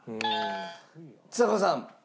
ちさ子さん。